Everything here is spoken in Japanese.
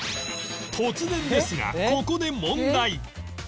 突然ですがここで問題